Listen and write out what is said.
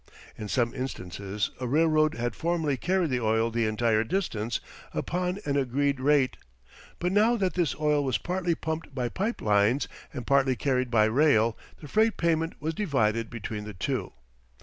In some instances a railroad had formerly carried the oil the entire distance upon an agreed rate, but now that this oil was partly pumped by pipe lines and partly carried by rail, the freight payment was divided between the two.